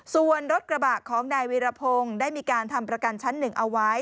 ส่วนรถกระบะของนายวีรพงศ์ได้มีการทำประกันชั้น๑เอาไว้